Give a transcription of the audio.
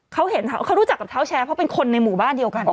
เขาเห็นเขารู้จักกับเท้าแชร์เพราะเป็นคนในหมู่บ้านเดียวกัน